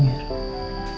mir apaan di sini mir